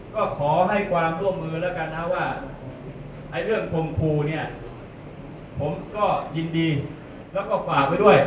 ก็ขอให้ความร่วมมือแล้วกันนะว่าไอ้เรื่องคมครูเนี่ยผมก็ยินดีแล้วก็ฝากไว้ด้วย